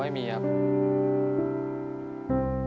สวัสดีครับน้องเล่จากจังหวัดพิจิตรครับ